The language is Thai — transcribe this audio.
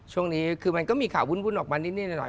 ช่วงนี้คือมันก็มีข่าววุ่นออกมานิดหน่อย